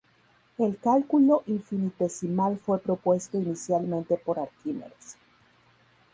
El cálculo infinitesimal fue propuesto inicialmente por Arquímedes.